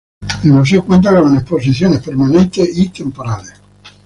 El museo cuenta con exposiciones permanentes y temporales.